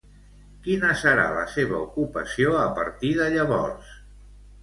Quina serà la seva ocupació a partir de llavors?